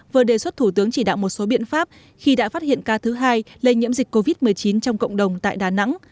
vừa đề xuất thủ tướng chỉ đạo một số biện pháp khi đã phát hiện ca thứ hai lây nhiễm dịch covid một mươi chín trong cộng đồng tại đà nẵng